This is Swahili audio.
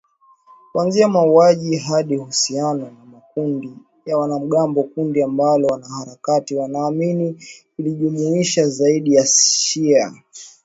kuanzia mauaji hadi uhusiano na makundi ya wanamgambo, kundi ambalo wanaharakati wanaamini lilijumuisha zaidi wa shia